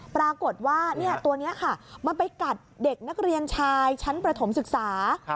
ปรากฏว่าตัวนี้ค่ะมันไปกัดเด็กนักเรียนชายชั้นประถมศึกษา